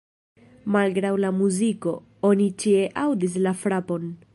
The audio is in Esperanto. Malgraŭ la muziko, oni ĉie aŭdis la frapon.